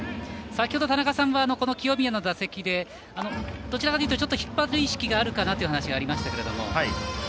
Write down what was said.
先ほど田中さんは清宮の打席で、どちらかというと引っ張る意識があるかなという話がありました。